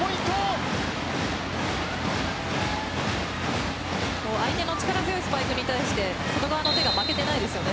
渡邊相手の力強いスパイクに対して外側の手が負けていないですよね。